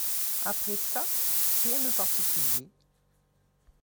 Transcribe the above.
Après ça ? Rien de particulier.